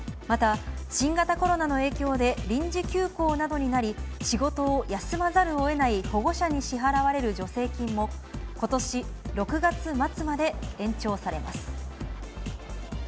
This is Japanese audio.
また新型コロナの影響で臨時休校などになり、仕事を休まざるをえない保護者に支払われる助成金も、ことし６月末まで延長されます。